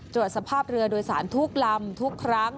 ตรวจสภาพเรือโดยสารทุกลำทุกครั้ง